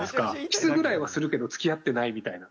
キスぐらいはするけど付き合ってないみたいな。